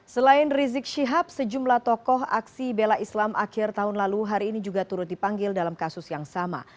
selain rizik syihab sejumlah tokoh aksi bela islam akhir tahun lalu hari ini juga turut dipanggil dalam kasus yang sama